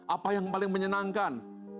apa yang paling menyenangkan